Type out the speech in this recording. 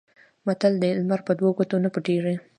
متل دی: لمر په دوو ګوتو نه پټېږي.